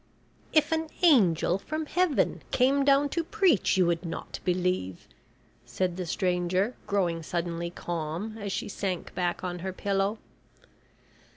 "If an angel from Heaven came down to preach you would not believe!" said the stranger, growing suddenly calm as she sank back on her pillow.